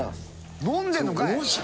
飲んでるのかい！